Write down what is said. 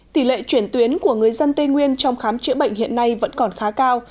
tỷ lệ chuyển tuyến của người dân tây nguyên trong khám chữa bệnh hiện nay vẫn còn khá cao